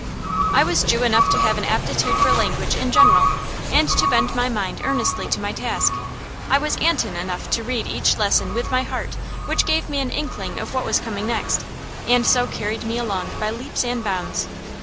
I was Jew enough to have an aptitude for language in general, and to bend my mind earnestly to my task; I was Antin enough to read each lesson with my heart, which gave me an inkling of what was coming next, and so carried me along by leaps and bounds.